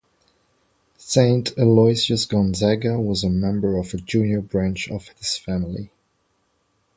Saint Aloysius Gonzaga was a member of a junior branch of this family.